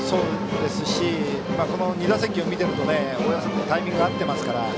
この２打席を見ていると親富祖君はタイミングが合っていますから。